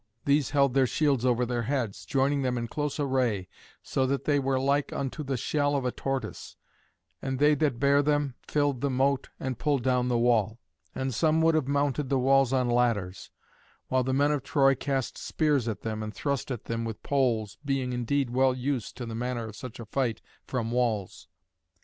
These held their shields over their heads, joining them in close array so that they were like unto the shell of a tortoise, and they that bare them filled the moat and pulled down the wall. And some would have mounted the walls on ladders; while the men of Troy cast spears at them and thrust at them with poles, being indeed well used to the manner of such a fight from walls.